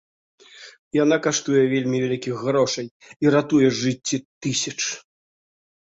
Яна каштуе вельмі вялікіх грошай і ратуе жыцці тысяч.